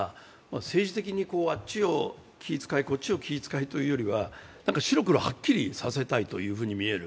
政治的に、あっちを気遣い、こっちを気遣いというよりは白黒はっきりさせたいというふうに見える。